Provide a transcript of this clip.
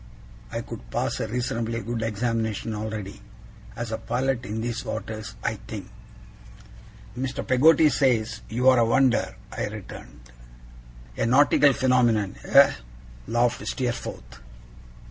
I could pass a reasonably good examination already, as a pilot in these waters, I think.' 'Mr. Peggotty says you are a wonder,' I returned. 'A nautical phenomenon, eh?' laughed Steerforth.